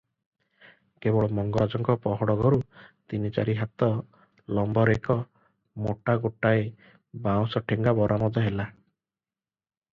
କେବଳ ମଙ୍ଗରାଜଙ୍କ ପହଡ଼ଘରୁ ତିନି ଚାରି ହାତ ଲମ୍ବରେକେ ମୋଟ ଗୋଟାଏ ବାଉଁଶ ଠେଙ୍ଗା ବରାମଦ ହେଲା ।